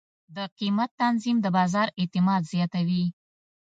د قیمت تنظیم د بازار اعتماد زیاتوي.